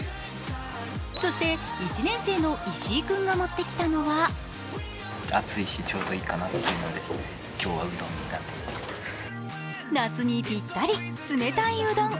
そして１年生の石井君が持ってきたのは夏にピッタリ、冷たいうどん。